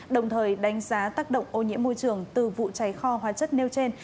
đồng thời đánh giá tác động ô nhiễm môi trường từ vụ cháy kho hóa chất nêu trên